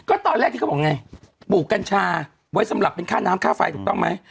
ก็ตอนแรกที่เขาบอกไงปลูกกัญชาไว้สำหรับเป็นค่าน้ำค่าไฟถูกต้องไหม